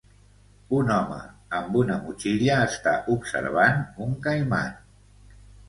Un home amb una motxilla està observant un caiman.